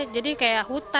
jadi kayak hutan